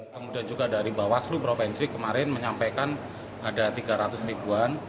kemudian juga dari bawaslu provinsi kemarin menyampaikan ada tiga ratus ribuan